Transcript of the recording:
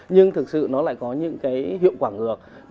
nhưng thực sự nó lại có những cái hiệu quả ngược